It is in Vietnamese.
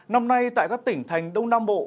năm nay tại các tỉnh thành đông nam bộ